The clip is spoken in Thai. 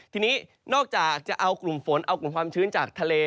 ทีนี้นอกจากจะเอากลุ่มฝนเอากลุ่มความชื้นจากทะเล